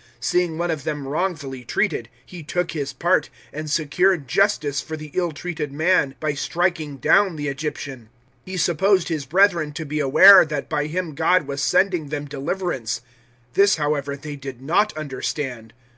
007:024 Seeing one of them wrongfully treated he took his part, and secured justice for the ill treated man by striking down the Egyptian. 007:025 He supposed his brethren to be aware that by him God was sending them deliverance; this, however, they did not understand.